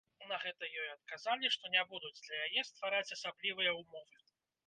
На гэта ёй адказалі, што не будуць для яе ствараць асаблівыя ўмовы.